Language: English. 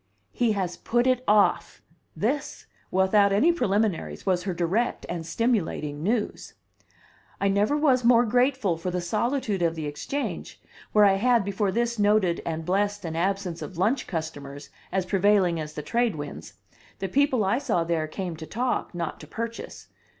"He has put it off!" This, without any preliminaries, was her direct and stimulating news. I never was more grateful for the solitude of the Exchange, where I had, before this, noted and blessed an absence of lunch customers as prevailing as the trade winds; the people I saw there came to talk, not to purchase.